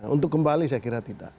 untuk kembali saya kira tidak